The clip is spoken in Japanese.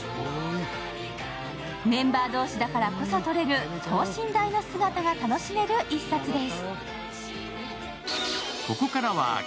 メンバー同士だからこそ撮れる等身大の姿が楽しめる一冊です。